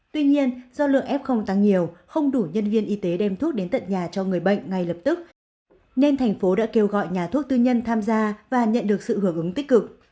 tuy nhiên do lượng f tăng nhiều không đủ nhân viên y tế đem thuốc đến tận nhà cho người bệnh ngay lập tức nên thành phố đã kêu gọi nhà thuốc tư nhân tham gia và nhận được sự hưởng ứng tích cực